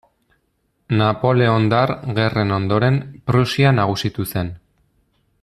Napoleondar Gerren ondoren Prusia nagusitu zen.